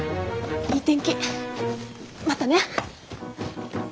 いい天気またね。